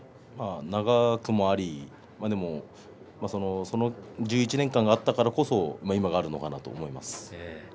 長くもあり、でもその１１年間があったからこそ今があるのかなと思います。